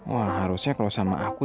wah harusnya kalau sama aku